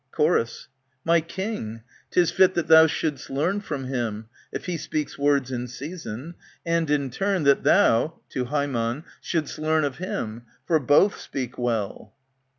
C/?or» My king ! 'tis fit that thou should'st learn from him, If he speaks words in season ; and, in turn. That thou {To Hjemon) should'st learn of him, for both speak well.